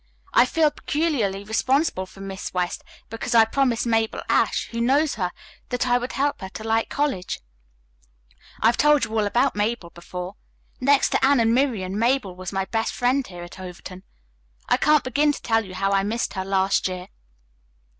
I feel peculiarly responsible for Miss West, because I promised Mabel Ashe, who knows her, that I would help her to like college. I have told you all about Mabel before. Next to Anne and Miriam, Mabel was my best friend here at Overton. I can't begin to tell you how I missed her last year.